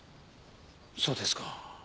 そうですか。